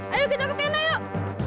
ayo kita ke tenda yuk